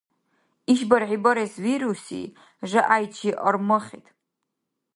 ИшбархӀи барес вируси, жягӀяйчи армахид.